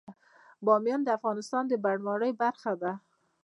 بامیان د افغانستان د بڼوالۍ برخه ده.